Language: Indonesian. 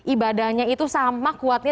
ibadahnya itu sama kuatnya